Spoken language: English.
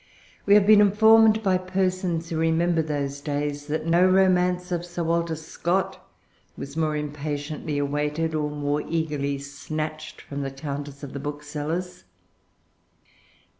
We have been informed by persons who remember those days that no romance of Sir Walter Scott was more impatiently awaited, or more eagerly snatched from the counters of the booksellers.